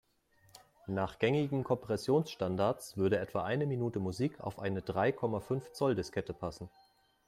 Nach gängigen Kompressionsstandards würde etwa eine Minute Musik auf eine drei Komma fünf Zoll-Diskette passen.